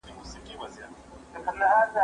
ايا ته مړۍ خورې!.